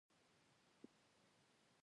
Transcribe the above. خبرې اترې څلور بنسټیز ابزار لري.